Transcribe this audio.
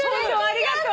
ありがとう。